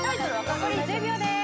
残り１０秒です。